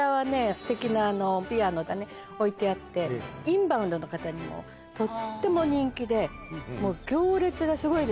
すてきなピアノがね置いてあってインバウンドの方にもとっても人気でもう。